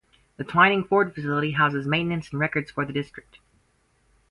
The Twining Ford facility houses maintenance and records for the district.